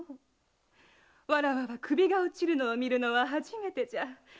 わらわは首が落ちるのを見るのは初めてじゃ。